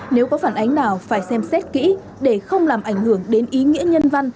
nếu có phản ánh nào phải xem xét kỹ để không làm ảnh hưởng đến ý nghĩa nhân văn